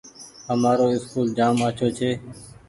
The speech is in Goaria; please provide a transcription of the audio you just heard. همآرو اسڪول جآم آڇو ڇي۔